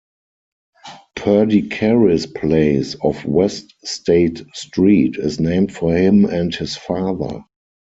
Perdicaris Place, off West State Street, is named for him and his father.